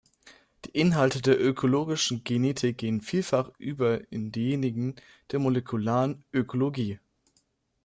Die Inhalte der Ökologischen Genetik gehen vielfach über in diejenigen der Molekularen Ökologie.